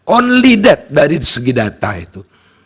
only date dari segi data itu